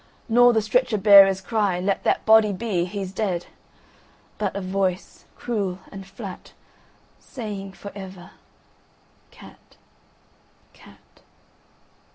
Nor the stretcher bearer's cry,"Let that body be, he's dead!"But a voice cruel and flatSaying for ever, "Cat!… Cat!